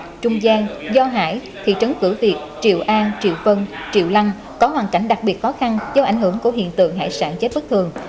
nhiều khách trung gian do hải thị trấn cửa việt triệu an triệu phân triệu lăng có hoàn cảnh đặc biệt khó khăn do ảnh hưởng của hiện tượng hải sản chất bất thường